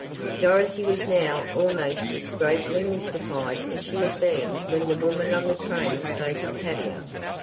Dorothy was now almost as greatly mystified as she had been when the woman on the train spoke of Tavia.